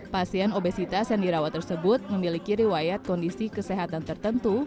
pasien obesitas yang dirawat tersebut memiliki riwayat kondisi kesehatan tertentu